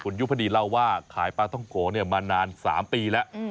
คุณยุพดีเล่าว่าขายปลาท่องโกเนี่ยมานานสามปีแล้วอืม